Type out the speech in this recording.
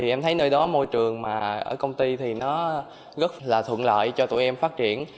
em thấy nơi đó môi trường ở công ty rất thuận lợi cho tụi em phát triển